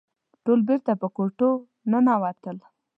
ټول بېرته په کوټو ننوتل.